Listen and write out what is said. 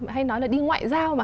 hay nói là đi ngoại giao mà